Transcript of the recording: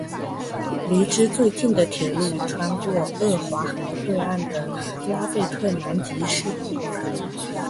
离之最近的铁路穿过鄂毕河对岸的拉贝特南吉市。